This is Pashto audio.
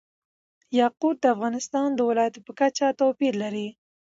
یاقوت د افغانستان د ولایاتو په کچه توپیر لري.